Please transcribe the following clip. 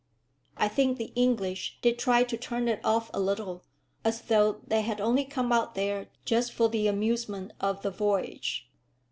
I think the English did try to turn it off a little, as though they had only come out there just for the amusement of the voyage.